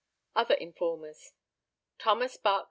Other Informers. Thomas Buck.